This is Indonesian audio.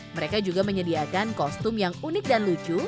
mereka juga menyediakan kostum yang unik dan lucu